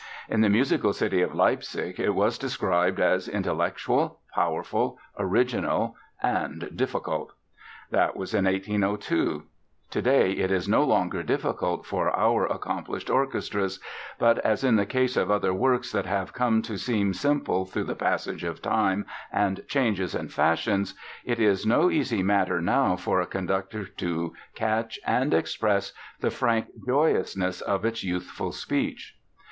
In the musical city of Leipzig it was described as "intellectual, powerful, original, and difficult." That was in 1802. Today it is no longer difficult for our accomplished orchestras, but, as in the case of other works that have come to seem simple through the passage of time and changes in fashions, it is no easy matter now for a conductor to catch and express the frank joyousness of its youthful speech.